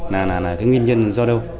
là nguyên nhân do đâu